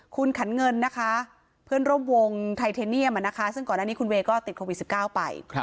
คุณขันเงินนะคะเพื่อนร่วมวงไทเทเนียมซึ่งก่อนหน้านี้คุณเวย์ก็ติดโควิด๑๙ไป